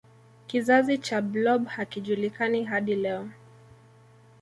kizazi cha blob hakijulikani hadi leo